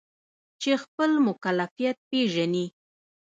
چې خپل مکلفیت پیژني.